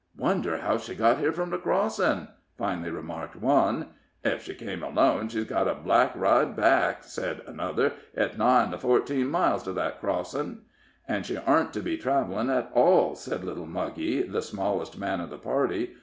"Wonder how she got here from the crossin'?" finally remarked one. "Ef she came alone, she's got a black ride back," said another. "It's nigh onto fourteen miles to that crossin'." "An' she orten't to be travelin' at all," said little Muggy, the smallest man of the party.